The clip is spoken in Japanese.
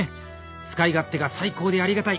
使い勝手が最高でありがたい